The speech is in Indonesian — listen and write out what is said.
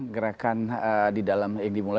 gerakan di dalam yang dimulai